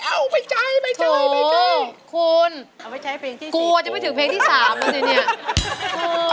คุณกลัวจะไม่ถึงเพลงที่๓แล้วเนี่ย